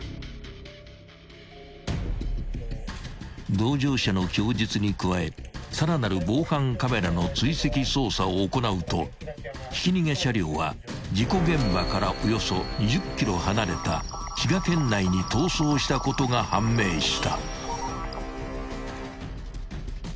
［同乗者の供述に加えさらなる防犯カメラの追跡捜査を行うとひき逃げ車両は事故現場からおよそ２０ｋｍ離れた滋賀県内に逃走したことが判明した］